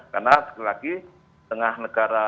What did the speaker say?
karena sekali lagi